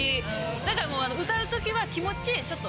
だから歌うときは気持ちちょっと。